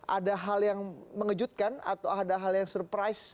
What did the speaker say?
ada hal yang mengejutkan atau ada hal yang surprise